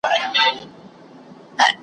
یو څو ورځي یې لا ووهل زورونه .